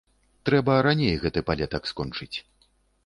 Трэба раней гэты палетак скончыць.